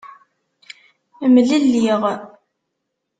Mlelliɣ.